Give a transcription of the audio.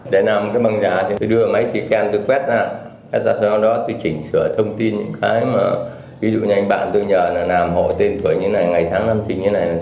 bạn tôi nhờ làm hộ tên của anh như thế này ngày tháng năm trình như thế này